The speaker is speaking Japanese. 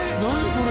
これ。